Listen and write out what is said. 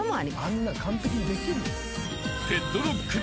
あんなん完璧にできる？